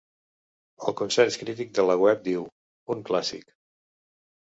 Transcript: El consens crític de la web diu: "un clàssic".